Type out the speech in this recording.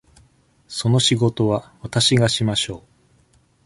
その仕事はわたしがしましょう。